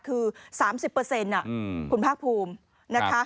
คือ๓๐คุณภาคภูมิ